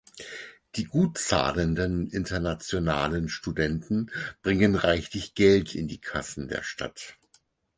Die gut zahlenden internationalen Studenten bringen reichlich Geld in die Kassen der Stadt.